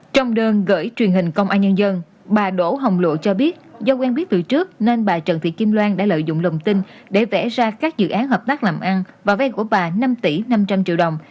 trong đơn gửi truyền hình công an nhân dân bà đỗ hồng lộ cho biết do quen biết từ trước nên bà trần thị kim loan đã lợi dụng lòng tin để vẽ ra các dự án hợp tác làm ăn và vay của bà năm tỷ năm trăm linh triệu đồng